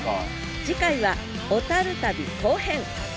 次回は小旅後編！